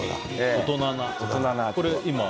大人な。